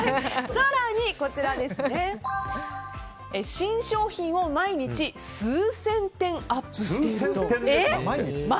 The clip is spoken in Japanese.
更に、新商品を毎日数千点アップしていると。